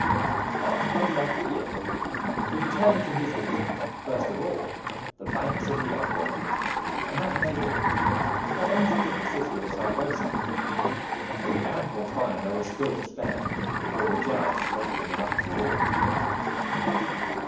After he had left the inn he determined to visit, first of all, the banks of the Ebro and that neighbourhood, before entering the city of Saragossa, for the ample time there was still to spare before the jousts left him enough for all.